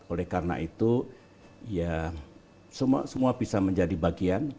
oleh karena itu ya semua bisa menjadi bagian